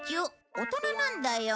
大人なんだよ。